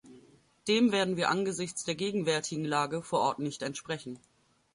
Dem werden wir angesichts der gegenwärtigen Lage vor Ort nicht entsprechen.